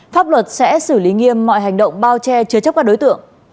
pháp luật sẽ xử lý nghiêm mọi hành động bao che chứa chấp các đối tượng